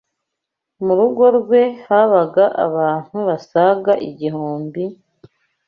Mu rugo rwe habaga abantu basaga igihumbi,